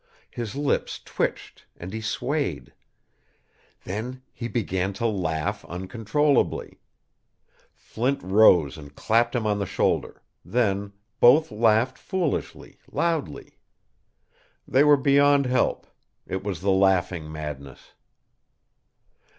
His lips twitched and he swayed. Then he began to laugh uncontrollably. Flint rose and clapped him on the shoulder. Then both laughed foolishly, loudly. They were beyond help. It was the laughing madness.